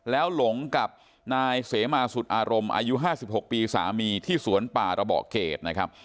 แล้วหลงกับนายเสมาสุดอารมณ์อายุ๕๖ปีสามีที่สวนป่าระเบาะเกดนะครับ